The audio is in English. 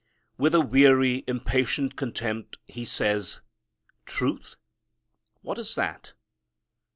With a weary, impatient contempt, he says, "Truth? What is that?"